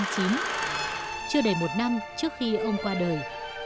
chưa đầy một năm trước khi ông qua đời